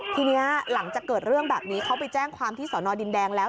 ทีนี้หลังจากเกิดเรื่องแบบนี้เขาไปแจ้งความที่สอนอดินแดงแล้ว